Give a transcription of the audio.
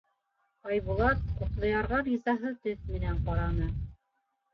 Айбулат Ҡотлоярға ризаһыҙ төҫ менән ҡараны.